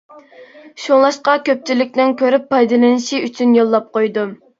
شۇڭلاشقا كۆپچىلىكنىڭ كۆرۈپ پايدىلىنىشى ئۈچۈن يوللاپ قويدۇم.